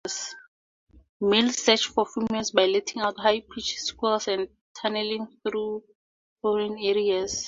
Males search for females by letting out high-pitched squeals and tunneling through foreign areas.